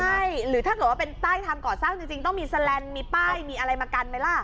ใช่หรือถ้าเกิดว่าเป็นใต้ทางก่อสร้างจริงต้องมีแสลนด์มีป้ายมีอะไรมากันไหมล่ะ